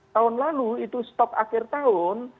tahun lalu itu stok akhir tahun